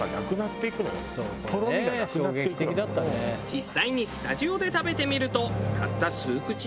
実際にスタジオで食べてみるとたった数口で。